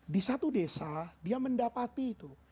di satu desa dia mendapati itu